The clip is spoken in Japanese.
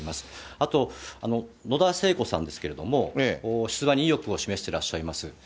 あと、野田聖子さんですけれども、出馬に意欲を示してらっしゃいます。